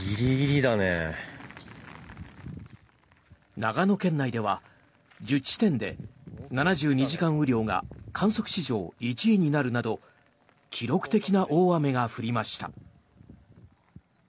長野県内では１０地点で７２時間雨量が観測史上１位になるなど記録的な大雨が降りました。